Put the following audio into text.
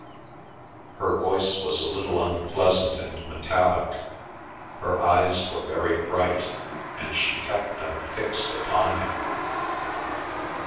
Her voice was a little unpleasant and metallic, her eyes were very bright, and she kept them fixed upon him.